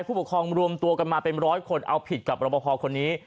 ผู้ปกครองรวมตัวกันมาเป็นร้อยคนเอาผิดกับรบพอคนนี้